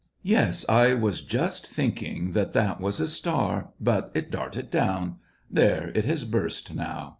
" Yes, I was just thinking that that was a star; but it darted down ... there, it has burst now.